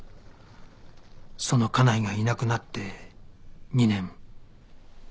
その家内がいなくなって２年